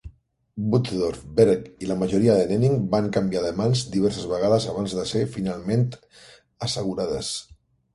Butzdorf, Berg i la majoria de Nennig van canviar de mans diverses vegades abans de ser finalment assegurades.